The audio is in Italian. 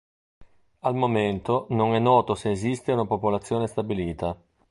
Al momento non è noto se esiste una popolazione stabilita.